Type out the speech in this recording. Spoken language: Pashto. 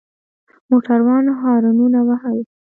موټروان هارنونه وهل.